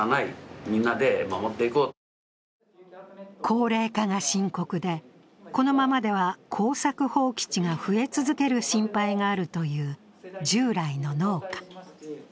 高齢化が深刻で、このままでは耕作放棄地が増え続ける心配があるという従来の農家。